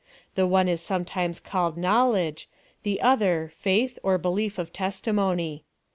The one is sometimes called knowledge, the other faith or be lief of testimony.